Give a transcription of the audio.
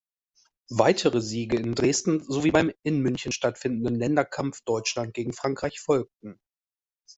Weitere Siege in Dresden sowie beim in München stattfindenden Länderkampf Deutschland gegen Frankreich folgten.